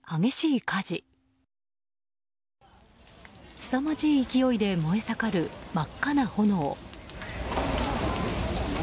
すさまじい勢いで燃え盛る真っ赤な炎。